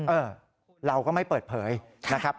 เออเราก็ไม่เปิดเผยนะครับ